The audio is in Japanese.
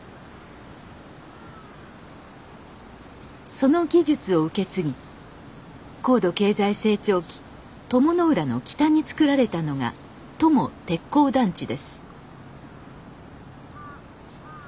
その技術を受け継ぎ高度経済成長期鞆の浦の北につくられたのが鞆鉄鋼団地です。